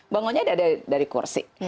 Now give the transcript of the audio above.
bangunnya dari kursi